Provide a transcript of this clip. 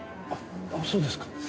そうですか。